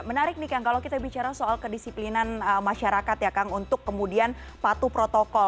menarik nih kang kalau kita bicara soal kedisiplinan masyarakat ya kang untuk kemudian patuh protokol